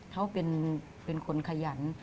เขาเป็นคนขยัน